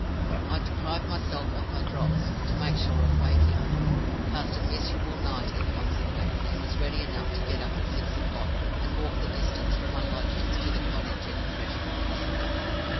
I deprived myself of my Drops, to make sure of waking; passed a miserable night in consequence; and was ready enough to get up at six o'clock, and walk the distance from my lodgings to the cottage in the fresh morning air.